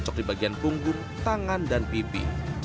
cocok di bagian punggung tangan dan pipi